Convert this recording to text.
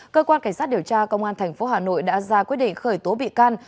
cơ quan cảnh sát điều tra công an tp hà nội đã ra quyết định khởi tố bị can